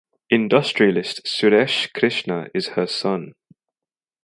Industrialist Suresh Krishna is her son.